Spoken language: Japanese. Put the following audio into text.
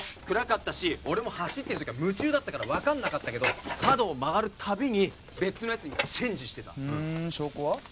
暗かったし俺も走ってる時は夢中だったから分かんなかったけど角を曲がるたびに別のやつにチェンジしてたふーん証拠は？